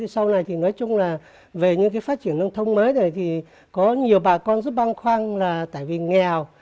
sau này thì nói chung là về những phát triển nông thôn mới này thì có nhiều bà con rất băng khoang là tại vì nghèo